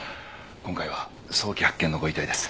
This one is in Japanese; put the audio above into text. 今回は早期発見のご遺体です。